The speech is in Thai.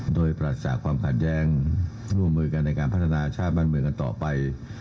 โดยปราศจากความขัดแย้งร่วมมือกันในการพัฒนาชาติบ้านเมืองกันต่อไป